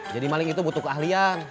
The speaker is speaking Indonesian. jadi maling itu butuh keahlian